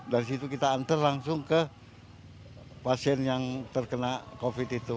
dari situ kita antar langsung ke pasien yang terkena covid itu